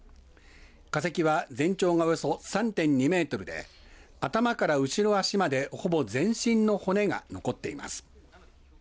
化石は全長がおよそ３．２メートルで頭から後ろ足までほぼ全身の骨が残っています。